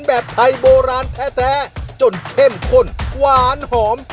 แบบไทยโบราณแท้จนเข้มข้นหวานหอม